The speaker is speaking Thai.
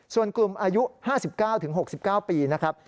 ส่วนกลุ่มอายุ๕๙๖๙ปีนะครับ